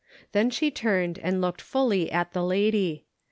Then she turned and looked fully at the lady.